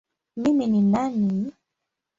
Mimi ni nani?